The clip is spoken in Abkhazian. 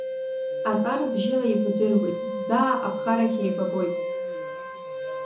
Аҵар бжьыла еибадыруеит, заа аԥхарахь еибагоит.